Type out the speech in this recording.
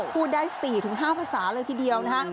พูดได้๔๕ภาษาเลยทีเดียวนะคะ